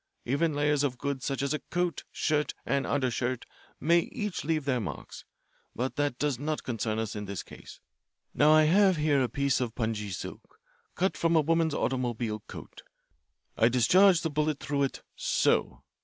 Even layers of goods such as a coat, shirt, and undershirt may each leave their marks, but that does not concern us in this case. Now I have here a piece of pongee silk, cut from a woman's automobile coat. I discharge the bullet through it so.